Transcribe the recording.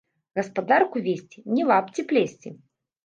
Гаспадарку весці ‒ не лапці плесці